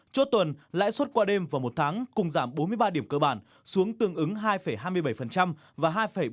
chốt tuần lãi suất qua đêm và một tháng cùng giảm bốn mươi ba điểm cơ bản xuống tương ứng hai hai mươi bảy và hai bốn mươi